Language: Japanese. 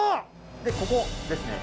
でここですね。